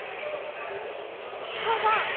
ファンファン！